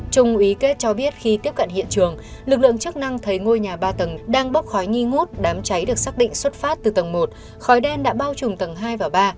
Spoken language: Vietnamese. trung úy kết cho biết khi tiếp cận hiện trường lực lượng chức năng thấy ngôi nhà ba tầng đang bốc khói nghi ngút đám cháy được xác định xuất phát từ tầng một khói đen đã bao trùm tầng hai và ba